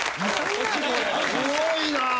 すごいな。